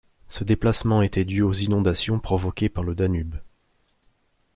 Ce déplacement était dû aux inondations provoquées par le Danube.